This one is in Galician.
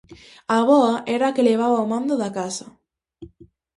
A avoa era a que levaba o mando da casa.